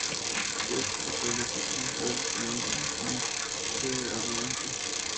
Test se estableció como heel, tomando un gimmick de arrogante.